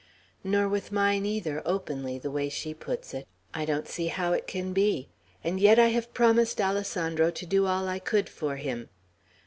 "Nor with mine either, openly, the way she puts it. I don't see how it can be; and yet I have promised Alessandro to do all I could for him.